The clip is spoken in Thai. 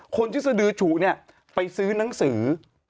คนชื่อสดือฉูนี่ไปซื้อนังสือ